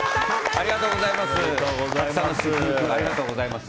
ありがとうございます。